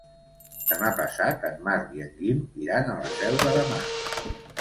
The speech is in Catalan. Demà passat en Marc i en Guim iran a la Selva de Mar.